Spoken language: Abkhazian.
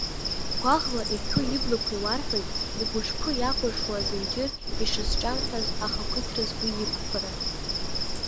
Гәаӷла иҭәу иблақәа иуарҳәоит игәышԥы иакәршоу азынџьыр ишазҿамҳәаз ахақәиҭраз уи иқәԥара.